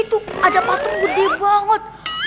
itu ada patung gede banget